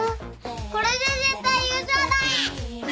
これで絶対優勝だ！